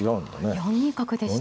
４二角でした。